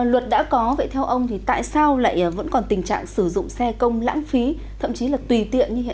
luật đã có vậy theo ông thì tại sao lại vẫn còn tình trạng sử dụng xe công lãng phí thậm chí là tùy tiện như hiện nay